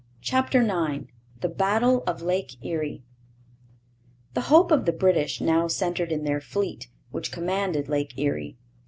CHAPTER IX THE BATTLE OF LAKE ERIE The hope of the British now centred in their fleet, which commanded Lake Erie.